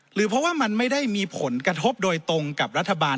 หรือว่ามันไม่ได้มีผลกระทบโดยตรงกับรัฐบาล